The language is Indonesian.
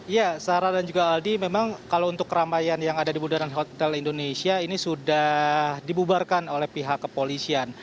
ya sarah dan juga aldi memang kalau untuk keramaian yang ada di bundaran hotel indonesia ini sudah dibubarkan oleh pihak kepolisian